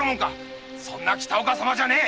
そんな北岡様じゃねえ！